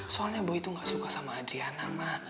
soalnya boy tuh gak suka sama adriana ma